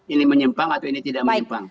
ini menyimpang atau ini tidak menyimpang